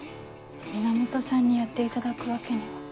源さんにやっていただくわけには。